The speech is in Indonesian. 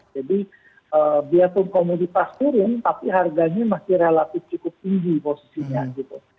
jadi biasa komoditas turun tapi harganya masih relatif cukup tinggi posisinya gitu